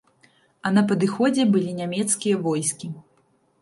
А на падыходзе былі нямецкія войскі.